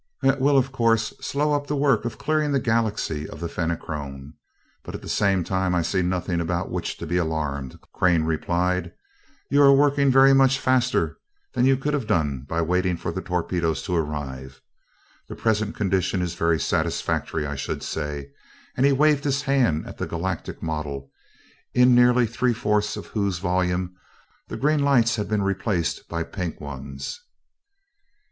"That will, of course, slow up the work of clearing the Galaxy of the Fenachrone, but at the same time I see nothing about which to be alarmed," Crane replied. "You are working very much faster than you could have done by waiting for the torpedoes to arrive. The present condition is very satisfactory, I should say," and he waved his hand at the galactic model, in nearly three fourths of whose volume the green lights had been replaced by pink ones.